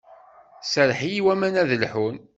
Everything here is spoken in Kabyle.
Serreḥ i waman ad lḥun.